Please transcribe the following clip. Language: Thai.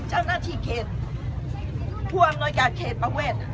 เจ้าหน้าที่เขตผ่วงโยกาตเขตภาเวท